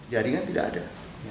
jaringan tidak ada